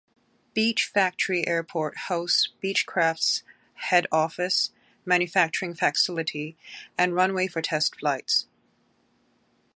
Beech Factory Airport house Beechcraft's head office, manufacturing facility, and runway for test flights.